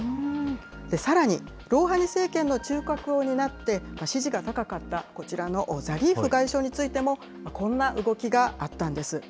さらにロウハニ政権の中核を担って支持が高かったこちらのザリーフ外相についても、こんな動きがあったんです。